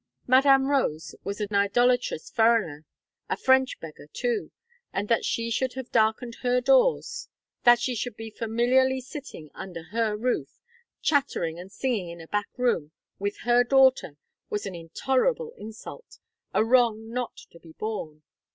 Madame Rose was "an idolatrous furriner!" "a French beggar!" too; and that she should have darkened her doors! that she should be familiarly sitting under her roof chattering and singing in a back room, with her daughter, was an intolerable insult, a wrong not to be borne.